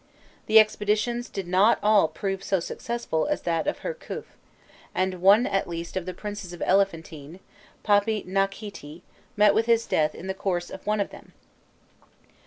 The expeditions did not all prove so successful as that of Hirkhûf, and one at least of the princes of Elephantine, Papinakhîti, met with his death in the course of one of them.